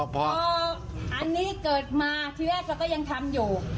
พออันนี้เกิดมาเชื้อเราก็ยังทำอยู่